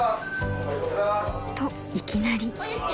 ［といきなり］